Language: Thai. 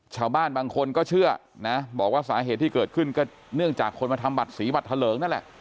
ชาวบ้านบางคนก็เชื่อนะบอกว่าสาเหตุที่เกิดขึ้นก็เนื่องจากคนมาทำบัตรสีบัตรทะเลิงนั่นแหละ